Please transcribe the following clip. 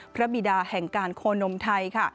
พระบิดาแห่งการโคนมไทย